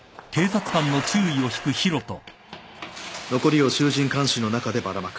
残りを衆人環視の中でばらまく。